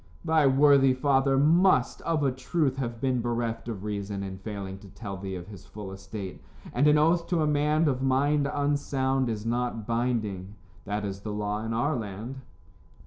"Thy worthy father must, of a truth, have been bereft of reason in failing to tell thee of his full estate, and an oath to a man of mind unsound is not binding. That is the law in our land."